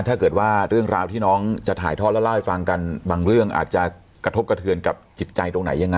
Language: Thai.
ถ้าเกิดว่าเรื่องราวที่น้องจะถ่ายทอดแล้วเล่าให้ฟังกันบางเรื่องอาจจะกระทบกระเทือนกับจิตใจตรงไหนยังไง